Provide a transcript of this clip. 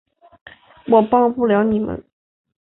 我帮不了你们